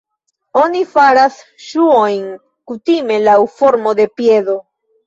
Oni faras ŝuojn kutime laŭ formo de piedo.